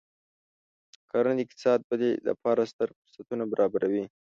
کرنه د اقتصادي ودې لپاره ستر فرصتونه برابروي.